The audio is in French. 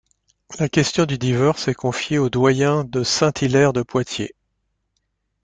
La question du divorce est confiée au doyen de Saint-Hilaire de Poitiers.